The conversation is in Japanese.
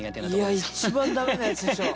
いや一番駄目なやつでしょ。